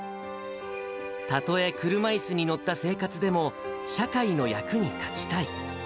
たとえ車いすに乗った生活でも、社会の役に立ちたい。